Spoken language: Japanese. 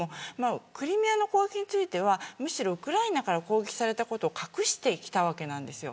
クリミアの攻撃についてはむしろウクライナから攻撃されたことを隠してきたわけなんです。